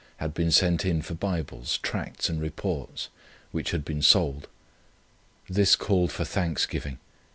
had been sent in for Bibles, Tracts, and Reports, which had been sold. This called for thanksgiving.